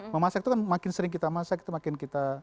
memasak itu kan makin sering kita masak itu makin kita